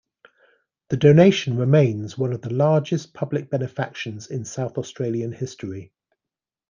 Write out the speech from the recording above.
The donation remains one of the largest public benefactions in South Australian history.